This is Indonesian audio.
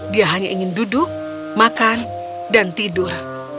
dia hanya ingin duduk makan dan tidur